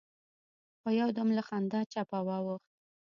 خو يودم له خندا چپه واوښت.